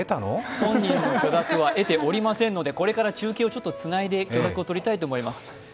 本人の許諾は得ておりませんのでこれから中継をつないで許諾を取りたいと思います。